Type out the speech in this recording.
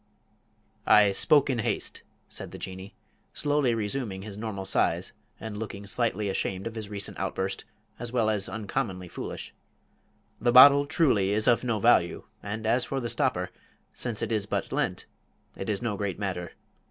"I spoke in haste," said the Jinnee, slowly resuming his normal size, and looking slightly ashamed of his recent outburst as well as uncommonly foolish. "The bottle truly is of no value; and as for the stopper, since it is but lent, it is no great matter.